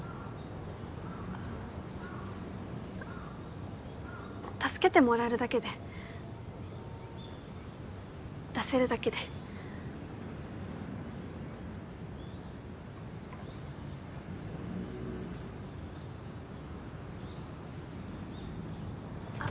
あっ助けてもらえるだけで出せるだけであっ